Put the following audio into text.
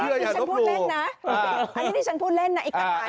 อันเนี้ยชั้นพูดเล่นนะอันเนี้ยชั้นพูดเล่นนะไอ้ขาเนี่ย